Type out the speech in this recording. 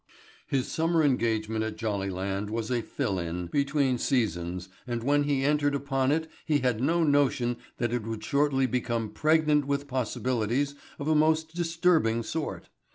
His summer engagement at Jollyland was a "fill in" between seasons and when he entered upon it he had no notion that it would shortly become pregnant with possibilities of a most disturbing sort.